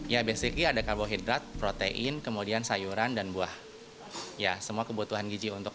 ya basicy ada karbohidrat protein kemudian sayuran dan buah ya semua kebutuhan gizi untuk